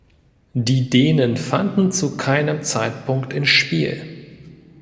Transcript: Die Dänen fanden zu keinem Zeitpunkt ins Spiel.